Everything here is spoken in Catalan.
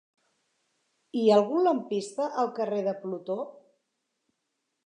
Hi ha algun lampista al carrer de Plutó?